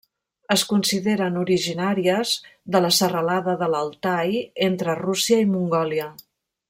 Es consideren originàries de la serralada de l'Altai, entre Rússia i Mongòlia.